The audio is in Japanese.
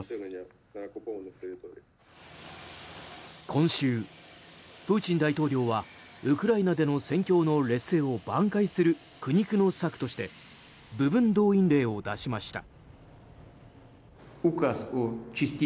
今週、プーチン大統領はウクライナでの戦況の劣勢を挽回する苦肉の策として部分動員令を出しました。